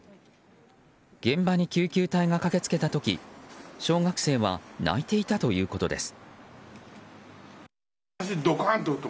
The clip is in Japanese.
現場に救急隊が駆け付けた時小学生は泣いていたということです。